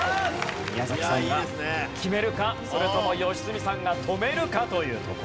宮崎さんが決めるかそれとも良純さんが止めるかというところです。